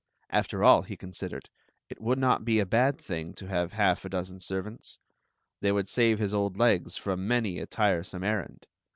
After all, he considered, it would not be a bad thing to have half a dozen servants; they would save his old legs from many a tiresome errand.